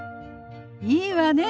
いいわね。